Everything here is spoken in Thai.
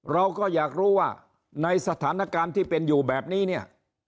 เราก็อยากรู้ว่าในสถานการณ์ที่เป็นอยู่แบบนี้เนี่ย